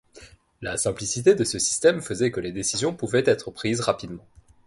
La simplicité de ce système faisait que les décisions pouvaient être prises rapidement.